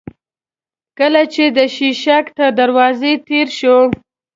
کله چې د شېشک تر دروازه تېر شوو.